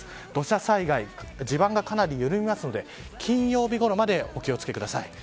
土砂災害地盤がかなり緩むので金曜日ごろまでお気を付けください。